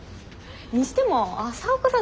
にしても朝岡さん